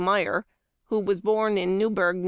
Myer, who was born in Newburg, N.